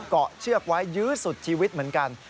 เกาะเชือกไว้ยื้อสุดชีวิตเหมือนกัน